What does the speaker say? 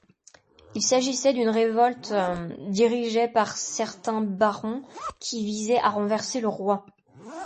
Il s'agissait d'une révolte dirigeait par certains barons qui visaient à renverser le roi.